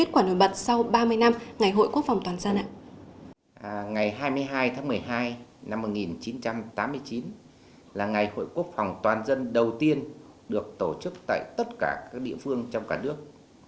quốc phòng toàn dân đầu tiên được tổ chức tại tất cả các địa phương trong cả nước